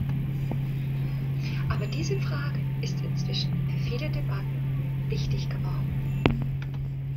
Aber diese Frage ist inzwischen für viele Debatten wichtig geworden.